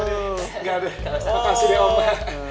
nggak ada makasih deh opa